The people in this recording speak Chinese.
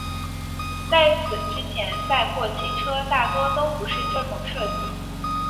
在此之前载货汽车大多都不是这种设计。